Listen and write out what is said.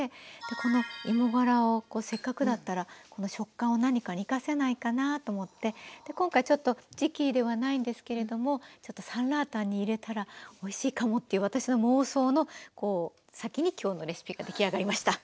この芋がらをせっかくだったら食感を何かに生かせないかなと思って今回ちょっと時期ではないんですけれどもちょっとサンラータンに入れたらおいしいかもっていう私の妄想の先に今日のレシピが出来上がりました。